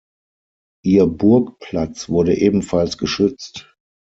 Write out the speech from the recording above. Ihr Burgplatz wurde ebenfalls geschützt.